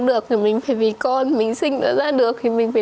được thì mình phải vì con mình sinh ra được thì mình phải